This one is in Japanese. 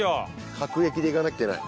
各駅で行かなきゃいけない。